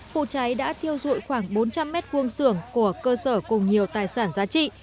vụ cháy đã thiêu rụi khoảng bốn trăm linh mét vuông xưởng của cơ sở cùng nhiều tài sản giá trị